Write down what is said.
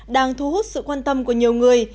đang thu hút sự quan tâm của nhiều người